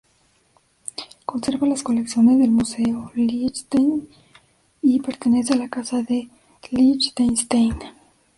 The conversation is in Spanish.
Conserva las colecciones del Museo Liechtenstein y pertenece a la casa de Liechtenstein.